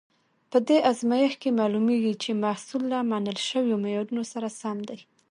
په دې ازمېښت کې معلومیږي چې محصول له منل شویو معیارونو سره سم دی.